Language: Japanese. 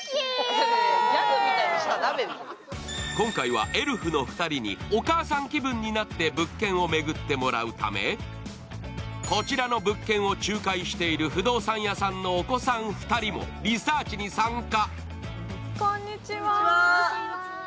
今回はエルフの２人にお母さん気分になって物件を巡ってもらうため、こちらの物件を仲介している不動産屋さんのお子さん２人もリサーチに参加。